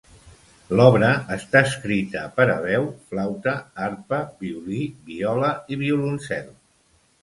L'obra està escrita per a veu, flauta, arpa, violí, viola i violoncel.